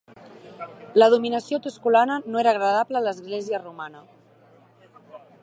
La dominació tusculana no era agradable a l'Església Romana.